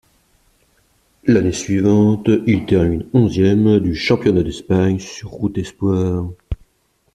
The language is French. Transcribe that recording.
L'année suivante, il termine onzième du championnat d'Espagne sur route espoirs.